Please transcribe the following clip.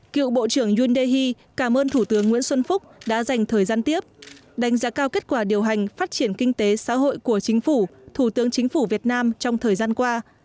cựu bộ trưởng yoon dae cảm ơn thủ tướng nguyễn xuân phúc đã dành thời gian tiếp đánh giá cao kết quả điều hành phát triển kinh tế xã hội của chính phủ thủ tướng chính phủ việt nam trong thời gian qua